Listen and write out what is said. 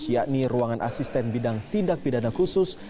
yakni ruangan asisten bidang tindak pidana khusus